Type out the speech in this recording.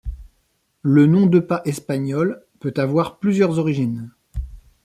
Le nom de pas espagnol peut avoir plusieurs origines.